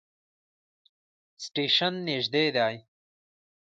سټیشن نژدې دی